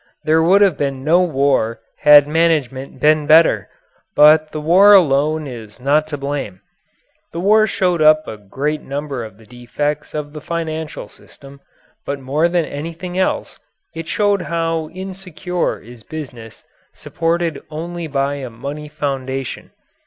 There would have been no war had management been better. But the war alone is not to blame. The war showed up a great number of the defects of the financial system, but more than anything else it showed how insecure is business supported only by a money foundation.